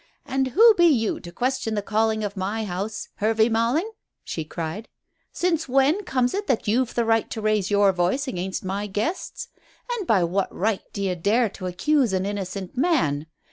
"And who be you to question the calling of my house, Hervey Malling?" she cried; "since when comes it that you've the right to raise your voice against my guests? An' by what right d'ye dare to accuse an innocent man?